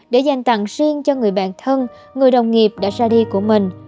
để dành tặng riêng cho người bạn thân người đồng nghiệp đã ra đi của mình